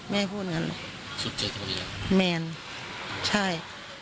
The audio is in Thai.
ไม่ให้พูดเหมือนกันแมนใช่